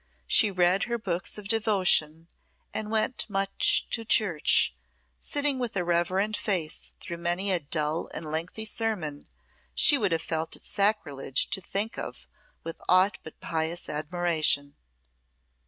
She read her books of devotion, and went much to church, sitting with a reverend face through many a dull and lengthy sermon she would have felt it sacrilegious to think of with aught but pious admiration.